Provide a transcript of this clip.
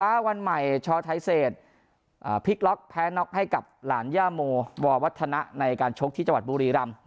วันใหม่ชอไทยเศษพลิกล็อกแพ้น็อกให้กับหลานย่าโมวัฒนะในการชกที่จังหวัดบุรีรำ